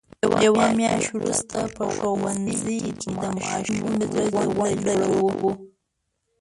یوه میاشت وروسته په ښوونځي کې د ماشوم ورځې غونډه جوړو.